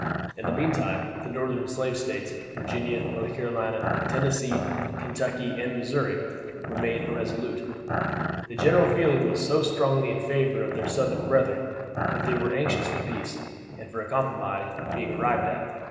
In the meantime the Northern Slave States, Virginia, North Carolina, Tennessee, Kentucky, and Missouri, remained irresolute. The general feeling was strongly in favor of their Southern brethren; but they were anxious for peace, and for a compromise being arrived at.